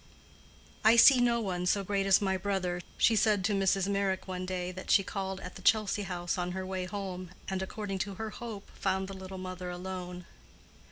"I see no one so great as my brother," she said to Mrs. Meyrick one day that she called at the Chelsea house on her way home, and, according to her hope, found the little mother alone.